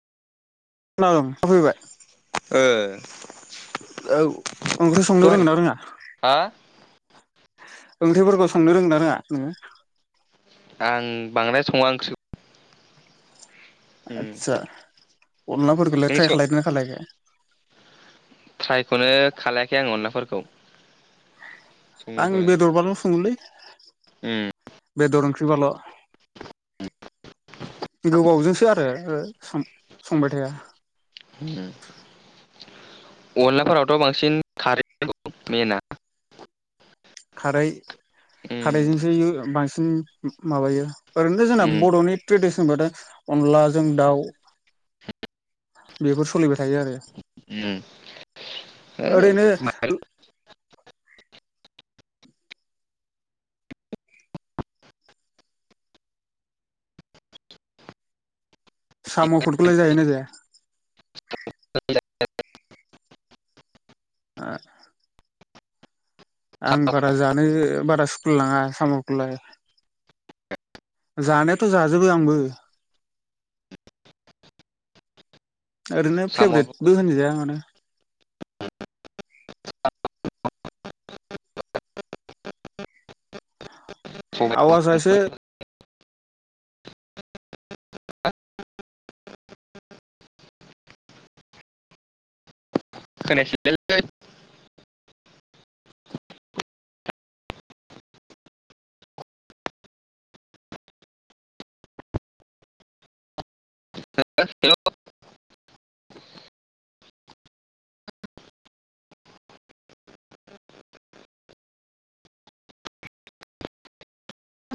[unintelligible] ओ औ ओंख्रि संनो रोंङो ना रोङा? हा ओंख्रिफोरखौ संनो रोंओना रोङा नोङो? आं बांद्राय सङा ओंख्रिखौ। आदसा अनलाफोरखोलाय नों ट्राय स खालायदोना खालायाखै? ट्रायखौनो खालायाखै आं अनलाफोरखौ। आं संनायखौनो बेदरबाल' सङोलै। उम बेदर ओंख्रि बाल' गोबावजोंसो आरो ओ सम संबाय थाया‌। उम अनलाफोरावथ बांसिन खारै मेना। खारै ओम खारैजोंसो ओ बांसिन उ माबायो ओरैनोथ जोंना ओम बरनि ट्रेडिसन बाथाय अनलाजों दाउ बेफोर सलिबाय थायो आरो ओम है ओरैनो माबा साम फोरखोलाय जायो ना जाया [unintelligible] आह आं बारा जानो बारा सुखुलाय लाङा सामखोलाय जानायावथ जाजोबो आंबो ओरैनो साम'आबो फेभरेटबो होनजाया माने सबाय आवाजा एसे [unintelligible] हेलौ